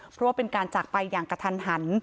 เพราะว่าเป็นการจากไปอย่างกระทันหัน